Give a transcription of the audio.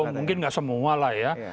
mungkin nggak semua lah ya